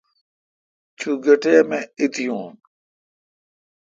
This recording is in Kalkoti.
تو گہ ٹیم اؘ ایتیون۔